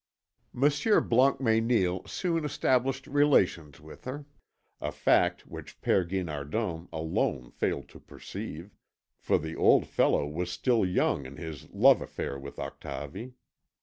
Monsieur Blancmesnil soon established relations with her, a fact which Père Guinardon alone failed to perceive, for the old fellow was still young in his love affair with Octavie.